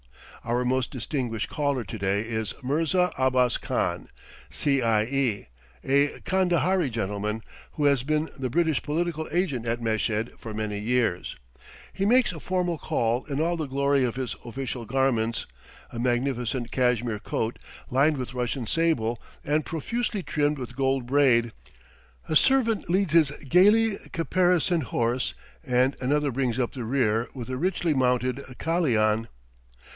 Our most distinguished caller to day is Mirza Abbas Khan, C. I. E., a Kandahari gentleman, who has been the British political agent at Meshed for many years. He makes a formal call in all the glory of his official garments, a magnificent Cashmere coat lined with Russian sable and profusely trimmed with gold braid; a servant leads his gayly caparisoned horse, and another brings up the rear with a richly mounted kalian.